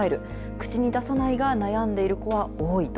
口に出さないが悩んでいる子は多いと。